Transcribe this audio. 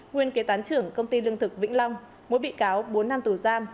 nguyên kế toán trưởng công ty lương thực vĩnh long mỗi bị cáo bốn năm tù giam